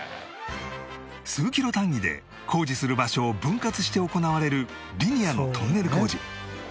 数キロ単位で工事する場所を分割して行われるリニアのトンネル工事